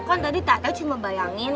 kan tadi tata cuma bayangin